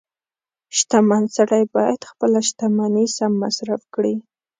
• شتمن سړی باید خپله شتمني سم مصرف کړي.